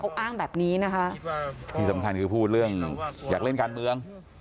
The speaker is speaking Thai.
เขาอ้างแบบนี้นะคะที่สำคัญคือพูดเรื่องอยากเล่นการเมือง